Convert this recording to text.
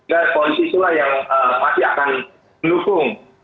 dan kondisi itulah yang masih akan mendukung